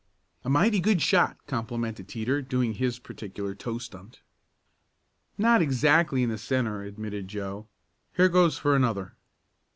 "A mighty good shot!" complimented Teeter, doing his particular toe stunt. "Not exactly in the centre," admitted Joe. "Here goes for another."